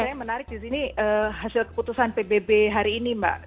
saya menarik di sini hasil keputusan pbb hari ini mbak